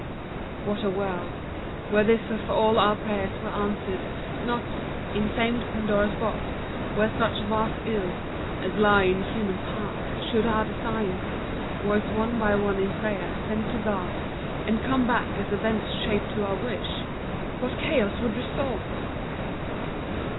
What a world Were this if all our prayers were answered. Not In famed Pandora's box were such vast ills As lie in human hearts. Should our desires, Voiced one by one in prayer, ascend to God And come back as events shaped to our wish, What chaos would result!